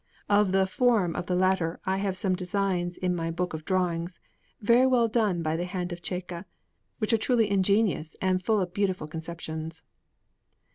Of the form of the latter I have some designs in my book of drawings, very well done by the hand of Cecca, which are truly ingenious and full of beautiful conceptions.